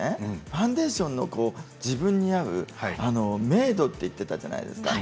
ファンデーションの自分に合う明度と言っていたじゃないですか。